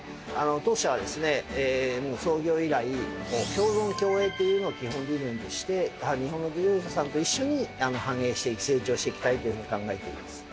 当社はですね創業以来「共存共栄」というのを基本理念として日本の漁業者さんと一緒に繁栄して成長していきたいというふうに考えています。